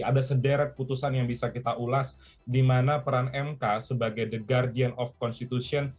ada sederet putusan yang bisa kita ulas di mana peran mk sebagai the guardian of constitution